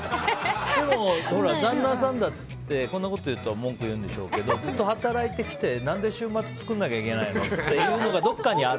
でも、旦那さんだってこんなこと言うと文句言うんでしょうけどずっと働いてきて何で作らなきゃいけないのって思いがどこかにある。